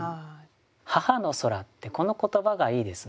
「母の空」ってこの言葉がいいですね。